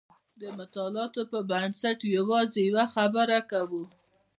د مطالعاتو پر بنسټ یوازې یوه خبره کوو.